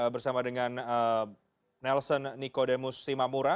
bersama dengan nelson nikodemus simamura